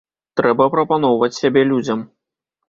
Трэба прапаноўваць сябе людзям.